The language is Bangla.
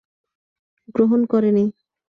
গ্রহণ করে নি।